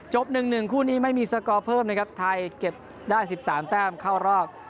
๑๑คู่นี้ไม่มีสกอร์เพิ่มนะครับไทยเก็บได้๑๓แต้มเข้ารอบ